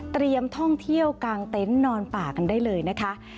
ท่องเที่ยวกลางเต็นต์นอนป่ากันได้เลยนะคะ